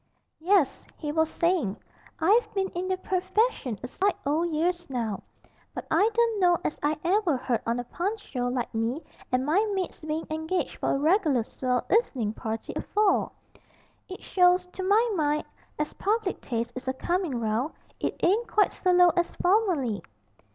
'Yes,' he was saying, 'I've been in the purfession a sight o' years now, but I don't know as I ever heard on a Punch's show like me and my mate's bein' engaged for a reg'lar swell evenin' party afore. It shows, to my mind, as public taste is a coming round it ain't quite so low as formerly.'